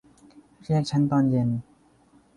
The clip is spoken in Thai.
เรียกฉันตอนเย็น